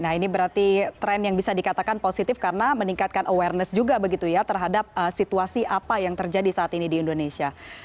nah ini berarti tren yang bisa dikatakan positif karena meningkatkan awareness juga begitu ya terhadap situasi apa yang terjadi saat ini di indonesia